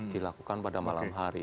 dilakukan pada malam hari